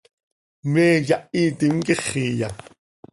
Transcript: ¿Me yáhitim quíxiya?